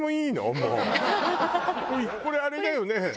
これあれだよね？